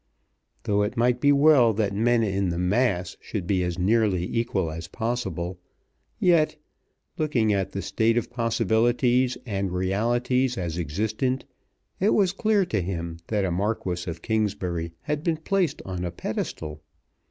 Though it might be well that men in the mass should be as nearly equal as possible, yet, looking at the state of possibilities and realities as existent, it was clear to him that a Marquis of Kingsbury had been placed on a pedestal.